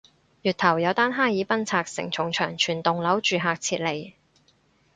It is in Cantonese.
月頭有單哈爾濱拆承重牆全棟樓住客撤離